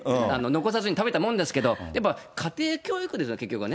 残さずに食べたものですけど、家庭教育ですよね、結局は。